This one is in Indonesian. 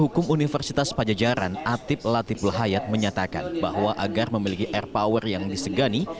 hukum universitas pajajaran atip latiful hayat menyatakan bahwa agar memiliki air power yang disegani